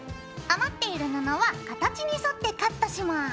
余っている布は形に沿ってカットします。